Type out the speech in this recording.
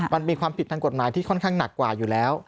มันมีความผิดทางกฎหมายที่ค่อนข้างหนักกว่าอยู่แล้ว